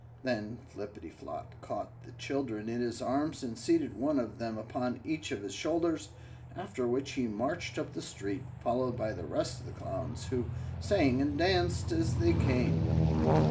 Then Flippityflop caught the children in his arms and seated one of them upon each of his shoulders, after which he marched up the street, followed by the rest of the Clowns, who sang and danced as they came.